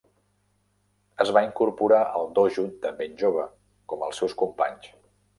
Es va incorporar al dojo de ben jove, com els seus companys.